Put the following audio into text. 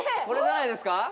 「これじゃないですか？」